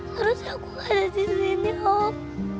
harusnya aku ada disini om